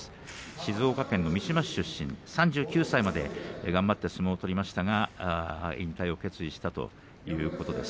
静岡県三島市出身３９歳まで頑張って相撲を取りましたが引退を決意したということです。